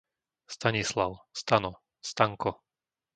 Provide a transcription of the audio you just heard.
Stanislav, Stano, Stanko